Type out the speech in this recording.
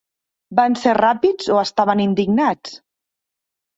Van ser ràpids o estaven indignats?